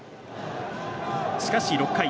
しかし、６回。